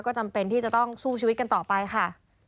ก็จำเป็นที่จะต้องสู้ชีวิตกันต่อไปค่ะ